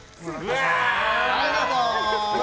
はい、どうぞ。